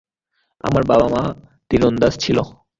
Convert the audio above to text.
আমার বাবা-মা তীরন্দাজ ছিল।